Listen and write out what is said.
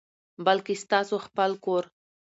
بلکي ستاسو خپل کور،